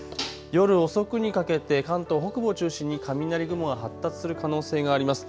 夜遅くにかけて関東北部を中心に雷雲が発達する可能性があります。